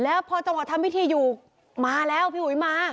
แล้วพอจังหวะทำพิธีอยู่มาแล้วพี่อุ๋ยมา